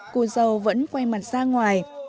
cô dâu vẫn quay mặt ra ngoài